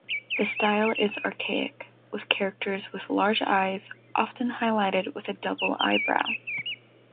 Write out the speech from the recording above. The style is archaic, with characters with large eyes, often highlighted with a double eyebrow.